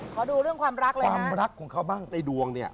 ขอดูเรื่องความรักเลยความรักของเขาบ้างในดวงเนี่ย